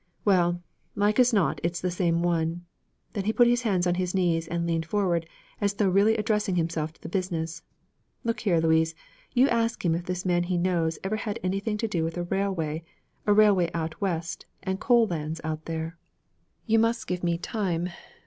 Well now, like as not it's the same one.' Then he put his hands on his knees and leaned forward as though really addressing himself to the business. 'Look here, Louise, you ask him if this man he knows ever had anything to do with a railway a railway out West and coal lands out there.' 'You must give me time.